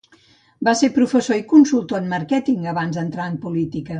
Va ser professor i consultor en màrqueting abans d'entrar en política.